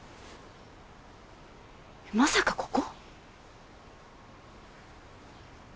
まさかここ？